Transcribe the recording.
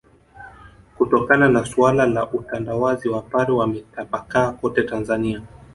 Kutokana na suala la utandawazi wapare wametapakaa kote Tanzania